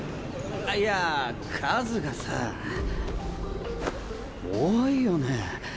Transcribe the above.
あっいや数がさ多いよね。